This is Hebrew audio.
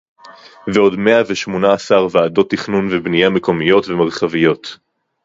ועוד מאה ושמונה עשרה ועדות תכנון ובנייה מקומיות ומרחביות